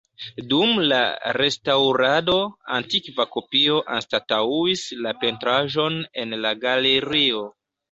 Dum la restaŭrado, antikva kopio anstataŭis la pentraĵon en la galerio.